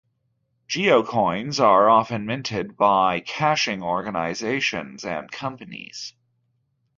Geocoins are often minted by caching organizations and companies.